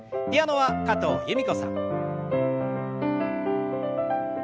ピアノは加藤由美子さん。